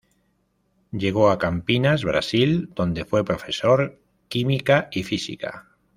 Llegó a Campinas, Brasil, donde fue profesor Química y Física.